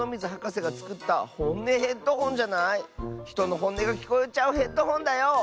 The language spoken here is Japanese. ひとのほんねがきこえちゃうヘッドホンだよ！